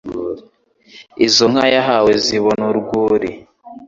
Izo nka yahawe zibona urwuri,